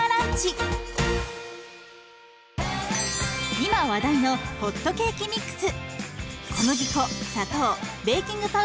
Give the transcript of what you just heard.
今話題のホットケーキミックス。